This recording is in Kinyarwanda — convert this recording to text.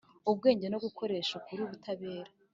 ubwigenge no gukoresha ukuri n ubutabera